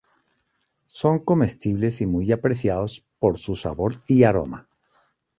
Son comestibles y muy apreciados por su sabor y aroma.